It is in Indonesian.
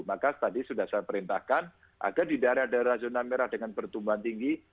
maka tadi sudah saya perintahkan agar di daerah daerah zona merah dengan pertumbuhan tinggi